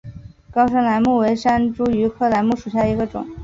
高山梾木为山茱萸科梾木属下的一个种。